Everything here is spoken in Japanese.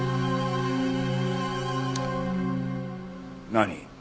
何？